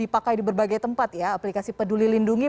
dipakai di berbagai tempat ya aplikasi peduli lindungi